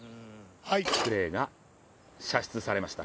クレーが射出されました。